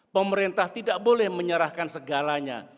pemerintah tidak boleh menyerahkan segalanya